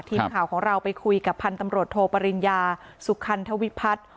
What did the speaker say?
ทีมข่าวของเราไปคุยกับพันธุ์ตำรวจโทปริญญาสุคันธวิพัฒน์